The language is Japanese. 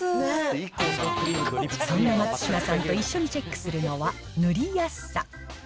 そんな松嶋さんと一緒にチェックするのは、塗りやすさ。